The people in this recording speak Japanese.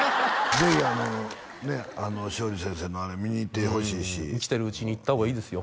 ぜひ松鯉先生のあれ見に行ってほしいし生きてるうちに行った方がいいですよ